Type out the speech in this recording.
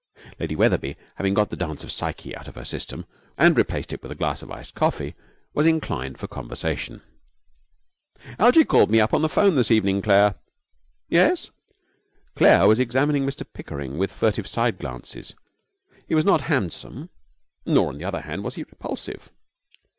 Lady Wetherby, having got the Dance of Psyche out of her system, and replaced it with a glass of iced coffee, was inclined for conversation. 'Algie called me up on the phone this evening, Claire.' 'Yes?' Claire was examining Mr Pickering with furtive side glances. He was not handsome, nor, on the other hand, was he repulsive.